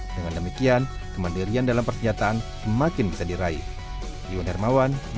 dengan demikian kemandirian dalam persyataan semakin berkembang